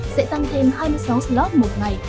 sẽ tăng thêm hai mươi sáu slot một ngày